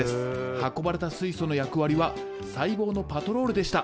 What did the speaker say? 運ばれた水素の役割は細胞のパトロールでした。